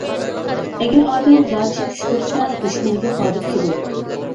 ئەگەر ئادەم لاچىن چۈش كۆرسە، دۈشمىنىگە غالىب كېلۇر.